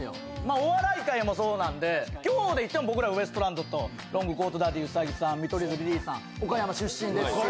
お笑い界もそうなんで、今日でいっても僕らウエストランドとロングコートダディ、兎さん、見取り図・リリーさん、岡山出身です。